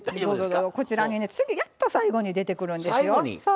こちらにねやっと最後に出てくるんですよ。